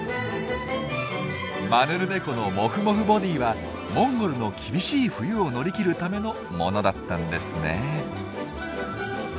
マヌルネコのモフモフボディーはモンゴルの厳しい冬を乗り切るためのものだったんですね。